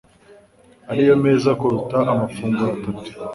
ariyo meza kuruta amafunguro atatu.